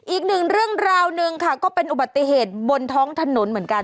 อีกหนึ่งเรื่องราวหนึ่งค่ะก็เป็นอุบัติเหตุบนท้องถนนเหมือนกัน